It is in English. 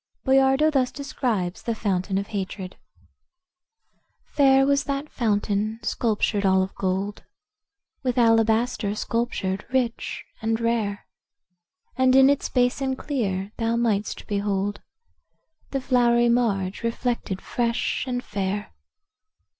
Boiardo thus describes the fountain of hatred: "Fair was that fountain, sculptured all of gold, With alabaster sculptured, rich and rare; And in its basin clear thou might'st behold The flowery marge reflected fresh and fair.